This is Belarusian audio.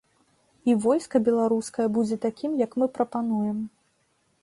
І войска беларускае будзе такім, як мы прапануем.